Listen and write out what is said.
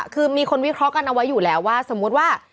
คือมีคนวิเคราะห์กันเอาไว้อยู่แล้วว่าสมมุติว่า